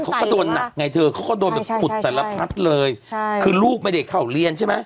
เขาก็โดนหนักเถอะเขาก็โดนแบบอุดแตละพัดเลย